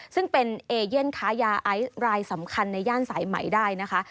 ซึ่งเป็นเอเย่นค้ายาไอซ์รายสำคัญในย่านสายไหมได้นะคะ